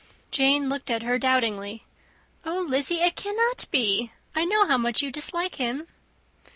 Jane looked at her doubtingly. "Oh, Lizzy! it cannot be. I know how much you dislike him."